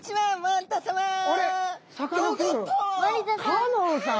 香音さん！